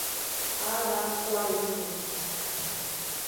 Araguaína